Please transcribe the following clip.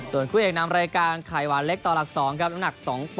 ส่วนคู่เอกนำรายการไขวาเล็กตลสอง